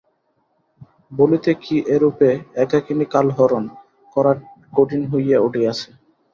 বলিতে কি এ রূপে একাকিনী কালহরণ করা কঠিন হইয়া উঠিয়াছে।